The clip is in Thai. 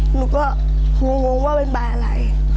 หนูก็หัวว่าเป็นใบอะไร